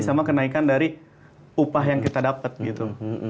sama kenaikan dari upah yang kita dapat gitu